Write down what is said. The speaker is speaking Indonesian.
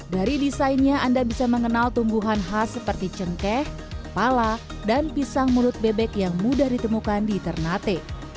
dari desainnya anda bisa mengenal tumbuhan khas seperti cengkeh pala dan pisang mulut bebek yang mudah ditemukan di ternate